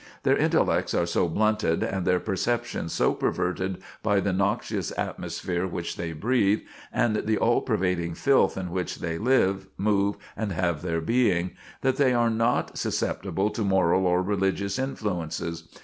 Their intellects are so blunted and their perceptions so perverted by the noxious atmosphere which they breathe, and the all pervading filth in which they live, move, and have their being, that they are not susceptible to moral or religious influences.